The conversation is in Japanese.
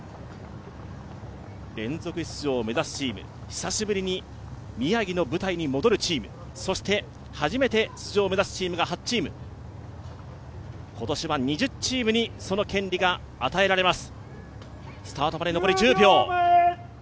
連続出場を目指すチーム、久しぶりに宮城の舞台に戻るチーム、そして初めて出場を目指すチームが８チーム、今年は２０チームにその権利が与えられます。